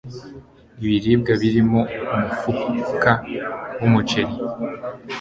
ibiribwa birimo umufuka w umuceli